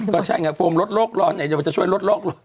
ก็ใช่ไงโฟมลดโลกร้อนไหนจะช่วยลดโรคร้อน